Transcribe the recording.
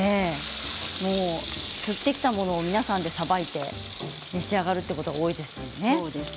釣ってきたものを皆さんでさばいて召し上がるということが多いんですよね。